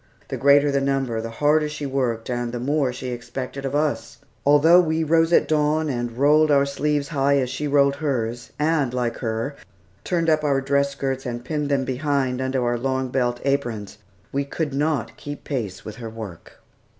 The greater the number, the harder she worked, and the more she expected of us. Although we rose at dawn, and rolled our sleeves high as she rolled hers, and like her, turned up our dress skirts and pinned them behind under our long belt aprons, we could not keep pace with her work.